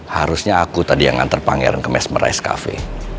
harusnya aku tadi yang nganter pangeran ke mesmerize cafe